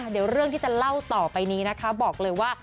เดี๋ยวเรื่องที่จะเล่าต่อไปนี้นะคะบอกเลยว่า